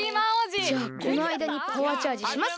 じゃあこのあいだにパワーチャージしますか！